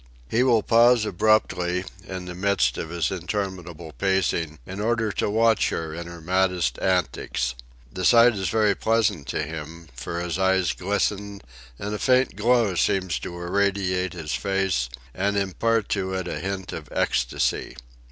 He will pause abruptly, in the midst of his interminable pacing, in order to watch her in her maddest antics. The sight is very pleasant to him, for his eyes glisten and a faint glow seems to irradiate his face and impart to it a hint of ecstasy.